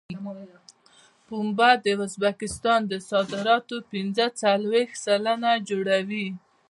پنبه د ازبکستان د صادراتو پنځه څلوېښت سلنه جوړوي.